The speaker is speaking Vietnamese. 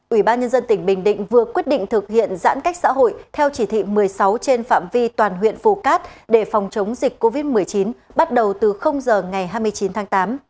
ủy ban nhân dân tỉnh bình định vừa quyết định thực hiện giãn cách xã hội theo chỉ thị một mươi sáu trên phạm vi toàn huyện phù cát để phòng chống dịch covid một mươi chín bắt đầu từ giờ ngày hai mươi chín tháng tám